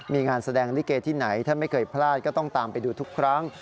มีงานแสดงลิเกที่ไหนท่านไม่เคยพลาดก็ต้องตามไปดูทุกครั้ง